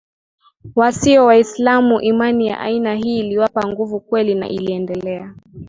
wasio Waislamu Imani ya aina hii iliwapa nguvu kweli na iliendelea